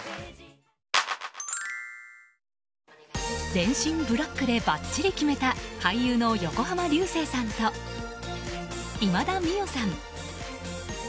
全身ブラックでばっちり決めた俳優の横浜流星さんと今田美桜さん。